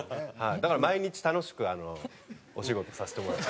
だから毎日楽しくお仕事させてもらってます。